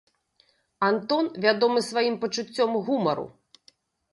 Антон вядомы сваім пачуццём гумару.